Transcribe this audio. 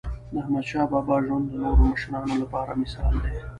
داحمدشاه بابا ژوند د نورو مشرانو لپاره مثال دی.